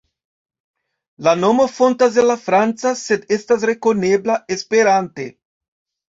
La nomo fontas el la franca, sed estas rekonebla Esperante.